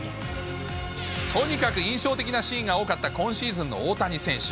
とにかく印象的なシーンが多かった今シーズンの大谷選手。